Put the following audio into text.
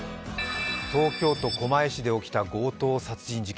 東京都狛江市で起きた強盗殺人事件。